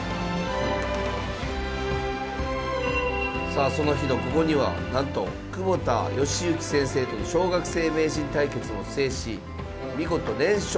さあその日の午後にはなんと窪田義行先生との小学生名人対決を制し見事連勝。